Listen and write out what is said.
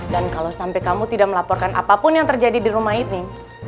dan kalau sampai kamu tidak melaporkan apapun yang terjadi di rumah ini